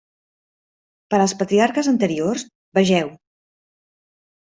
Per als patriarques anteriors, vegeu: